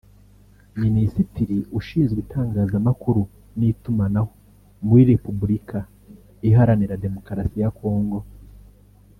Minisitiri Ushinzwe itangazamakuru n’itumanaho muri Repubulika Iharanira Demokarasi ya Congo